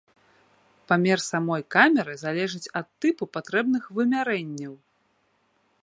Памер самой камеры залежыць ад тыпу патрэбных вымярэнняў.